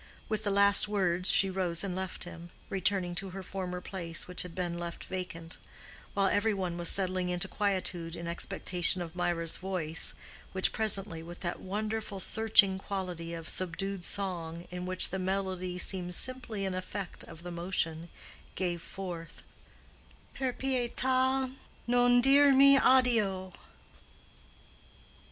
With the last words she rose and left him, returning to her former place, which had been left vacant; while every one was settling into quietude in expectation of Mirah's voice, which presently, with that wonderful, searching quality of subdued song in which the melody seems simply an effect of the emotion, gave forth, Per pietà non dirmi addio.